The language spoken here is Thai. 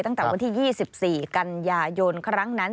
ตั้งแต่วันที่๒๔กันยายนครั้งนั้น